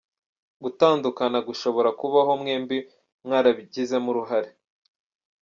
Gutandukana gushobora kubaho mwembi mwarabiogezemo uruhare.